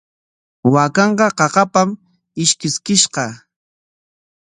Waakanqa qaqapam ishkiskishqa.